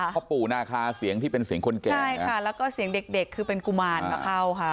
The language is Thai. พ่อปู่นาคาเสียงที่เป็นเสียงคนแก่ใช่ค่ะแล้วก็เสียงเด็กเด็กคือเป็นกุมารมาเข้าค่ะ